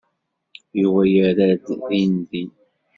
Yuba yerra-d dindin.